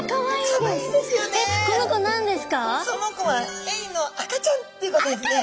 その子はエイの赤ちゃんっていうことですね。